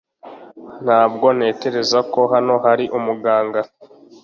Ntabwo ntekereza ko hano hari umuganga